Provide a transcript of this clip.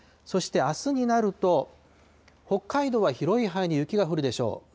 そして、あすになると、北海道は広い範囲で雪が降るでしょう。